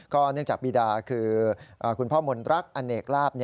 เนื่องจากบีดาคือคุณพ่อมนรักอเนกลาบ